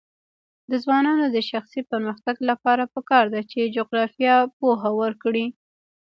د ځوانانو د شخصي پرمختګ لپاره پکار ده چې جغرافیه پوهه ورکړي.